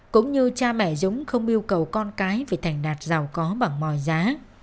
cũng như cha mẹ dũng không yêu cầu con cái phải thành đạt giàu có bằng mọi giá